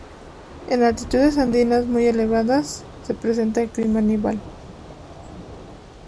En altitudes andinas muy elevadas se presenta el clima nival.